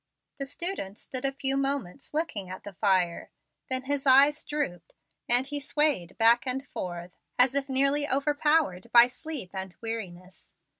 The student stood a few moments looking at the fire; then his eyes drooped, and he swayed back and forth as if nearly overpowered by sleep and weariness.